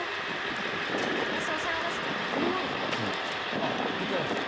あっ手伝います。